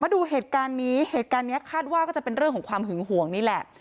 ดูเหตุการณ์นี้เหตุการณ์นี้คาดว่าก็จะเป็นเรื่องของความหึงห่วงนี่แหละ